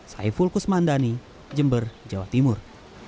saya fulkus mandani jember jawa timur